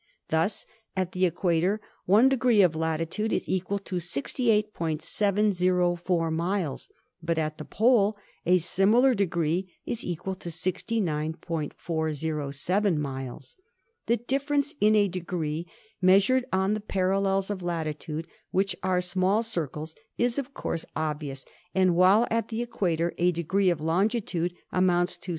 Thus at the equator one degree of latitude is equal to 68.704 miles, but at the pole a similar degree is equal to 69.407 miles. The difference in a degree measured on the parallels of latitude, which are small circles, is of course obvious, and while at the equator a degree of longitude amounts to 69.